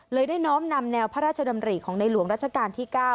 ได้น้อมนำแนวพระราชดำริของในหลวงรัชกาลที่๙